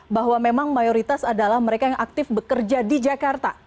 bahwa memang mayoritas adalah mereka yang aktif bekerja di jakarta